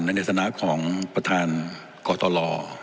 ในฐานะของประธานกตล